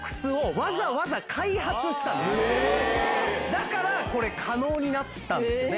だから可能になったんですよね。